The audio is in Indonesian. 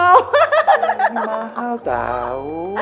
ini mahal tahu